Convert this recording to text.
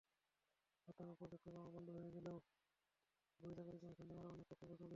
বর্তমানে project Ozma বন্ধ হয়ে গেলেও বহির্জাগতিক অনুসন্ধানে আরও অনেক প্রকল্প চালু হয়েছে।